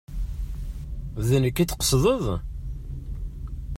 D nekk i d-tqesdeḍ?